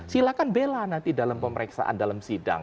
silahkan bela nanti dalam pemeriksaan dalam sidang